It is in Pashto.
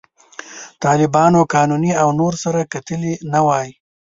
طالبانو، قانوني او نور سره کتلي نه وای.